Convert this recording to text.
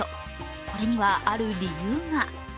これには、ある理由が。